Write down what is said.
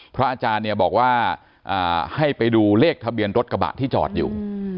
พระอาจารย์เนี่ยบอกว่าให้ไปดูเลขทะเบียนรถกระบะที่จอดอยู่